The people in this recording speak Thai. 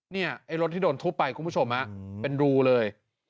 ไอ้รถที่โดนทุบไปคุณผู้ชมเป็นรูเลย